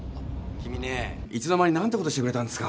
君ねいつの間に何てことしてくれたんですか。